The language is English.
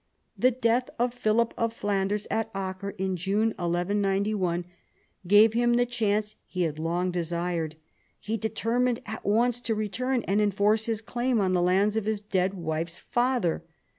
The death of Philip of Flanders at Acre in June 1191 gave him the chance he had long desired. He determined at once to return and enforce his claim on the lands of his dead wife's father.